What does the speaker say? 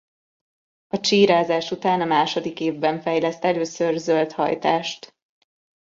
A csírázás után a második évben fejleszt először zöld hajtást.